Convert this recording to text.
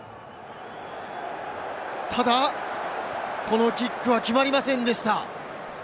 ただこのキックは決まりませんでした。